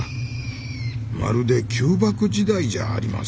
まるで旧幕時代じゃありませんか。